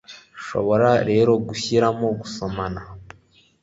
Nshobora rero gushyiramo gusomana